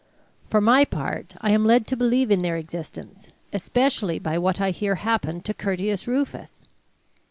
For my part, I am led to believe in their existence, especially by what I hear happened to Curtius Rufus.